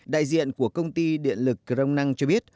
đại diện của công ty điện lực crong năng cho biết